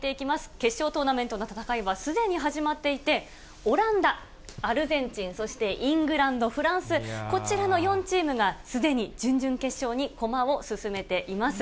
決勝トーナメントの戦いはすでに始まっていて、オランダ、アルゼンチン、そしてイングランド、フランス、こちらの４チームがすでに準々決勝に駒を進めています。